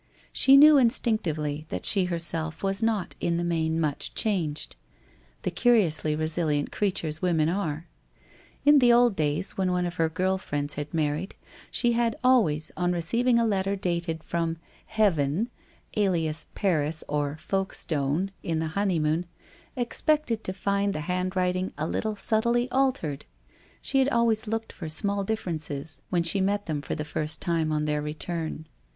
She knew instinctively that she herself was not, in the main, much changed. The curiously resilient creatures women are ! In the old days when one of her girl friends had married, she had always, on re ceiving a letter dated from ' Heaven '— alias Paris or Folkestone, in the honeymoon, expected to find the hand writing a little subtly altered; she had always looked for small differences, when she met them for the first time on their return.